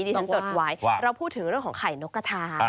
ที่ฉันจดไว้เราพูดถึงเรื่องของไข่นกกระทา